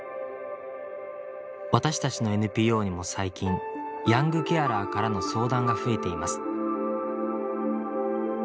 私たちのＮＰＯにも最近ヤングケアラーからの相談が増えています。